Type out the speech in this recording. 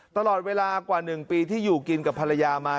ตลอดเวลากว่า๑ปีที่อยู่กินกับภรรยามา